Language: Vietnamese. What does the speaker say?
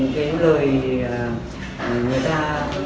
cái lời nói là mình cũng không thể tránh khỏi